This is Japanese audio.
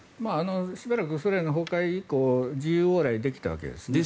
しばらく、ソ連崩壊以降自由往来できたわけです。